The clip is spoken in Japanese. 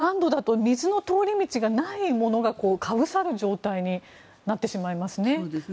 確かに残土だと水の通り道がないものがかぶさる状態になってしまいますね。